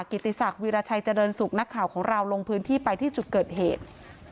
กิติศักดิราชัยเจริญสุขนักข่าวของเราลงพื้นที่ไปที่จุดเกิดเหตุ